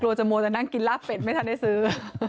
จะมัวจะนั่งกินลาบเป็ดไม่ทันได้ซื้อ